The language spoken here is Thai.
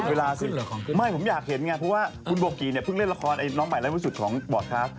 เวลาซึ่งไม่ผมอยากเห็นไงเพราะว่าคุณโบกีเนี่ยเพิ่งเล่นละครน้องใหม่ไลฟ์วิสุทธิ์ของบอร์ดคลาส